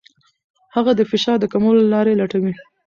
هغه د فشار کمولو لارې لټوي.